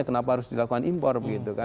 kenapa harus dilakukan impor